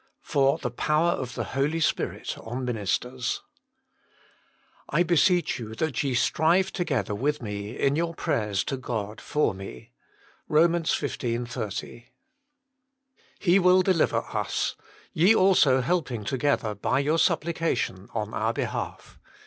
Jot tlje Bonier of iljj IJolQ Spirit on "I beseech yon that ye strive together with me in your prayers to God for me." ROM. xv. 30. "He will deliver us; ye also helping together by your suppli cation on our behalf."